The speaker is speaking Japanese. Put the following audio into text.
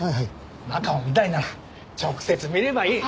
中を見たいなら直接見ればいい。